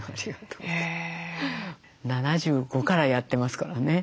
７５からやってますからね。